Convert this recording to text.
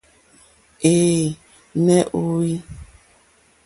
Ɛ̄ɛ̄, nè óhwì.